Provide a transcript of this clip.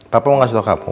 papa mau kasih tau kamu